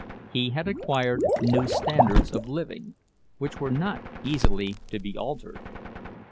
He had acquired new standards of living, which were not easily to be altered.